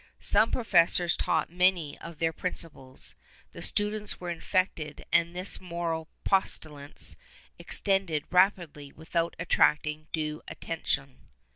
Some professors taught many of their principles, the students were infected and this moral pestilence extended rapidly without attracting due attention.